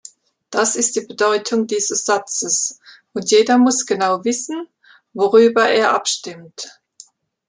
Das ist die Bedeutung dieses Satzes, und jeder muss genau wissen, worüber er abstimmt.